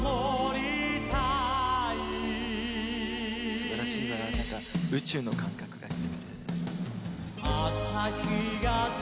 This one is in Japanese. すばらしいわ、なんか宇宙の感覚がして。